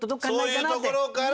そういうところから。